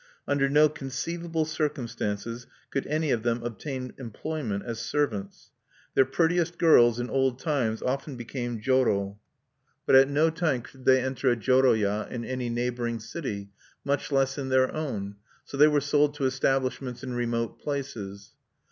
Under no conceivable circumstances could any of them obtain employment as servants. Their prettiest girls in old times often became joro; but at no time could they enter a joroya in any neighboring city, much less in their own, so they were sold to establishments in remote places.